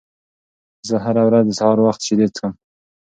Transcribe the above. زه هره ورځ د سهار وخت شیدې څښم.